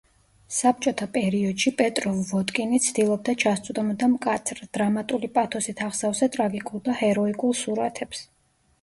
საბჭოთა პერიოდში პეტროვ-ვოდკინი ცდილობდა ჩასწვდომოდა მკაცრ, დრამატული პათოსით აღსავსე ტრაგიკულ და ჰეროიკულ სურათებს.